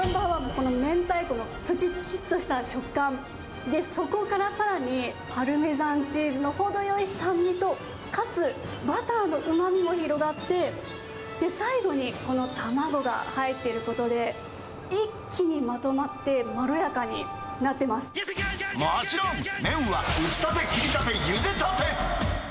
この明太子のぷちぷちっとした食感、そこからさらにパルメザンチーズの程よい酸味と、かつバターのうまみも広がって、最後にこの卵が入っていることで、一気にまとまって、もちろん麺は打ちたて、切りたて、ゆでたて。